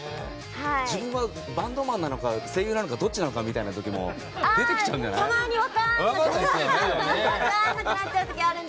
自分はバンドマンなのか声優なのかどっちなのかみたいなのも出てきちゃうんじゃない？